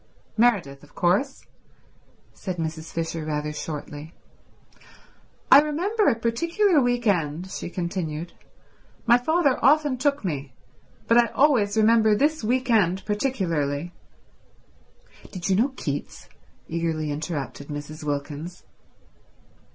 "Meredith of course," said Mrs. Fisher rather shortly. "I remember a particular week end"—she continued. "My father often took me, but I always remember this week end particularly—" "Did you know Keats?" eagerly interrupted Mrs. Wilkins.